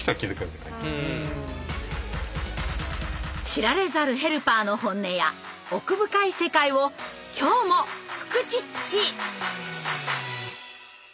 知られざるヘルパーの本音や奥深い世界を今日もフクチッチ！